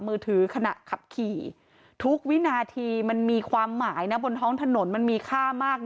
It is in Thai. มือถือขณะขับขี่ทุกวินาทีมันมีความหมายนะบนท้องถนนมันมีค่ามาก